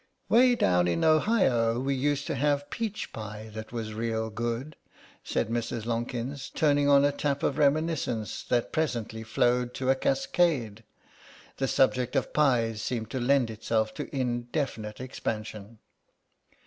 "Way down in Ohio we used to have peach pie that was real good," said Mrs. Lonkins, turning on a tap of reminiscence that presently flowed to a cascade. The subject of pies seemed to lend itself to indefinite expansion.